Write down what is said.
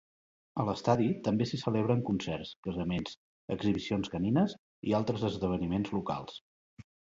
A l'estadi també s'hi celebren concerts, casaments, exhibicions canines i altres esdeveniments locals.